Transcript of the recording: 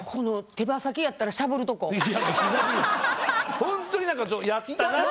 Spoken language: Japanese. ホントに何かやったなと。